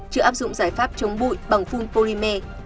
chưa áp dụng giải pháp chống bụi bằng phun polymer